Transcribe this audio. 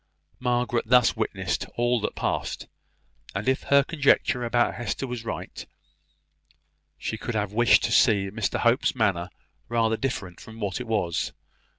Margaret thus witnessed all that passed; and if her conjecture about Hester was right, she could have wished to see Mr Hope's manner rather different from what it was.